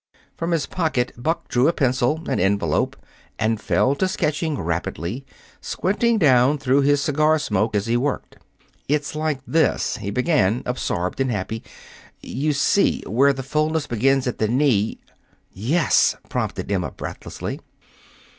From his pocket Buck drew a pencil, an envelope, and fell to sketching rapidly, squinting down through his cigar smoke as he worked. "It's like this," he began, absorbed and happy; "you see, where the fulness begins at the knee " "Yes!" prompted Emma, breathlessly.